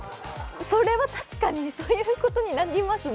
それは確かにそういうことになりますね。